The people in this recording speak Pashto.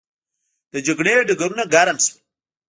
د جګړې ډګرونه ګرم شول.